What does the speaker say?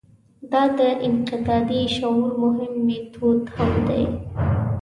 دا د انتقادي شعور مهم میتود هم دی.